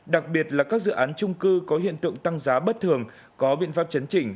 đặc biệt là các dự án trung cư có hiện tượng tăng giá bất thường có biện pháp chấn chỉnh